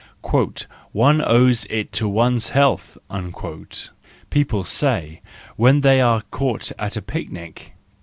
" One owes it to one's health," people say, when they are caught at a picnic.